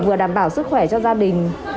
vừa đảm bảo sức khỏe cho gia đình